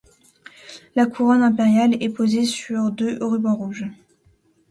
La couronne impériale est posée sur deux rubans rouges.